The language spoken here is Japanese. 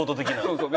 そうそう。